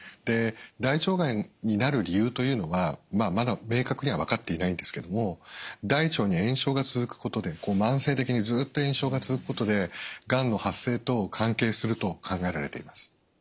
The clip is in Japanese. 大腸がんになる理由というのはまだ明確には分かっていないんですけども大腸に炎症が続くことで慢性的にずっと炎症が続くことでがんの発生と関係すると考えられています。